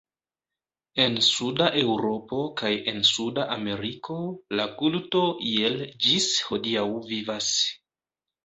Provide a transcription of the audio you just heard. En Suda Eŭropo kaj en Suda Ameriko la kulto iel ĝis hodiaŭ vivas.